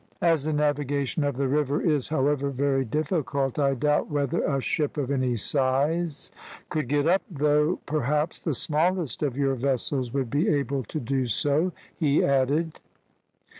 "As the navigation of the river is, however, very difficult, I doubt whether a ship of any size could get up it, though, perhaps, the smallest of your vessels would be able to do so," he added.